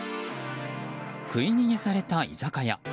食い逃げされた居酒屋。